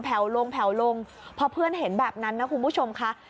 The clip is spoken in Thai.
พอเพื่อนเห็นแบบนั้นคุณผู้ชมค่ะ